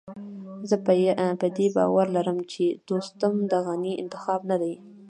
زه په دې باور لرم چې دوستم د غني انتخاب نه دی.